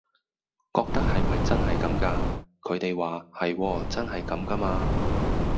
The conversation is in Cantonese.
覺得係咪真係咁㗎，佢哋話係喎真係咁㗎嘛